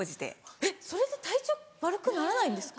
えっそれで体調悪くならないんですか？